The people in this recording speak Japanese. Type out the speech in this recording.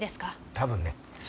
多分ね。